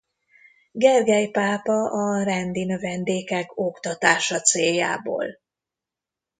Gergely pápa a rendi növendékek oktatása céljából.